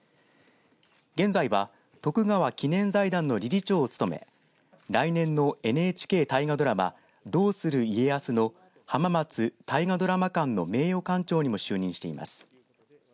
現在は徳川記念財団の理事長を務め来年のＮＨＫ大河ドラマどうする家康の浜松大河ドラマ館の名誉館長にも就任しています。